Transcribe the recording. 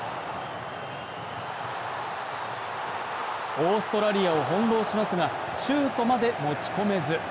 オーストラリアを翻弄しますがシュートまで持ち込めず。